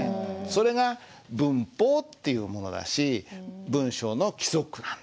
それが文法っていうものだし文章の規則なんです。